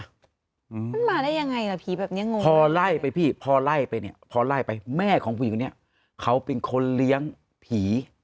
มันมาได้ยังไงล่ะผีแบบเนี้ยงงพอไล่ไปพี่พอไล่ไปเนี่ยพอไล่ไปแม่ของผู้หญิงคนนี้เขาเป็นคนเลี้ยงผี